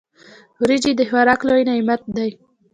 وريجي د خوراک لوی نعمت دی.